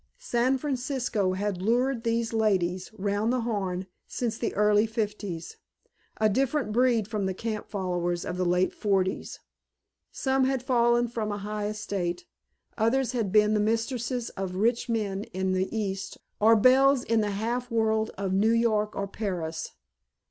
San Francisco had lured these ladies "round the Horn" since the early Fifties: a different breed from the camp followers of the late Forties. Some had fallen from a high estate, others had been the mistresses of rich men in the East, or belles in the half world of New York or Paris.